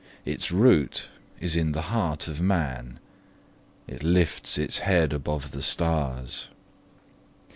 Its root is in the heart of man: it lifts its head above the stars.